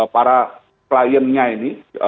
para kliennya ini